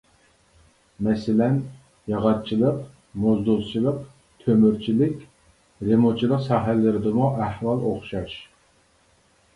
مەسىلەن: ياغاچچىلىق، موزدۇزچىلىق، تۆمۈرچىلىك، رېمونتچىلىق ساھەلىرىدىمۇ ئەھۋال ئوخشاش.